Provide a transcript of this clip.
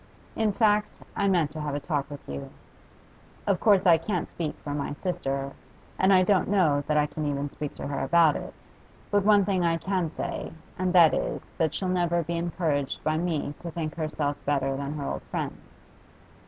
'In fact, I meant to have a talk with you. Of course I can't speak for my sister, and I don't know that I can even speak to her about it, but one thing I can say, and that is that she'll never be encouraged by me to think herself better than her old friends.